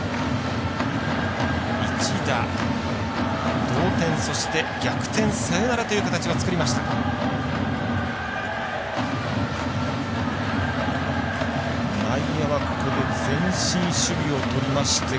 一打同点逆転サヨナラという形は作りました。